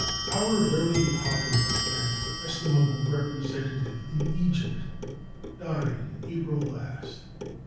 Our very popular and estimable representative in Egypt died in April last.